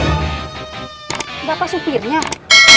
eh nggak jadi a supirnya bukan a